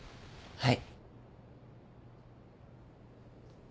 はい。